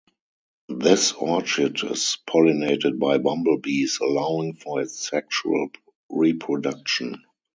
This orchid is pollinated by bumblebees, allowing for its sexual reproduction.